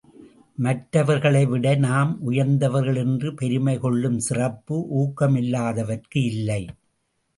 மற்றவர்களைவிட நாம் உயர்ந்தவர்கள் என்று பெருமை கொள்ளும் சிறப்பு ஊக்கமில்லாதவர்க்கு இல்லை.